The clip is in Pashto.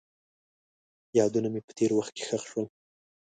یادونه مې په تېر وخت کې ښخ شول.